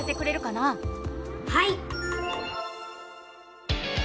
はい！